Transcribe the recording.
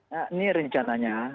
nah ini rencananya